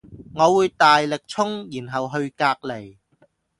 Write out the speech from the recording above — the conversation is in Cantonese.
我會大力衝然後去隔籬